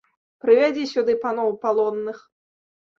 Прывядзі сюды паноў палонных!